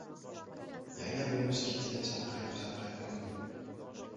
Yanga bo‘lmish ketiga chalqayib-chal- qayib kuldi.